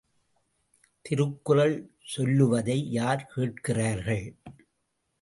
திருக்குறள் சொல்லுவதை யார் கேட்கிறார்கள்!